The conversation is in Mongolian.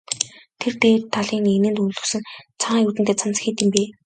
Тэр дээд талын эгнээнд өлгөсөн цагаан юүдэнтэй цамц хэд юм бэ?